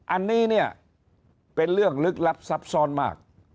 อันนี้เนี่ยเป็นเรื่องลึกลับซับซ้อนมาก